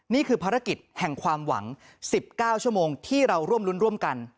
นี่คือภารกิจแห่งความหวัง๑๙ชั่วโมงที่เราร่วมรุ้นร่วมกัน